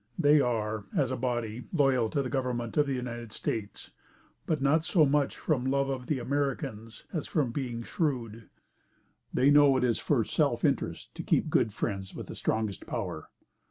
They are, as a body, loyal to the government of the United States; but, not so much from love of the Americans as from being shrewd. They know it is for self interest to keep good friends with the strongest power.